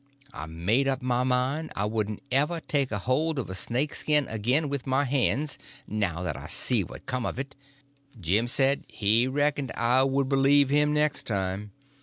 I made up my mind I wouldn't ever take a holt of a snake skin again with my hands, now that I see what had come of it. Jim said he reckoned I would believe him next time.